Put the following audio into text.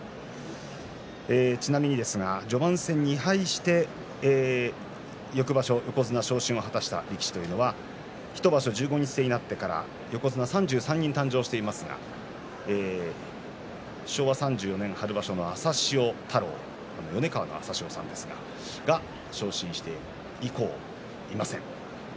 ちなみにですが序盤戦２敗して翌場所横綱昇進を果たした力士というのは１場所１５日制になってから横綱３３人誕生していますが昭和３４年春場所の朝潮太郎米川の朝潮さんが昇進して以降いません。